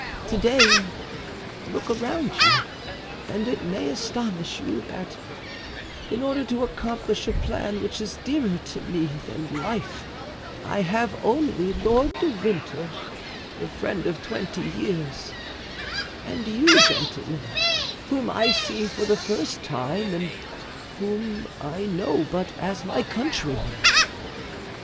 To day, look around you, and it may astonish you, that in order to accomplish a plan which is dearer to me than life I have only Lord de Winter, the friend of twenty years, and you, gentlemen, whom I see for the first time and whom I know but as my countrymen."